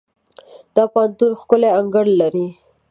دا پوهنتون ښکلی انګړ لري.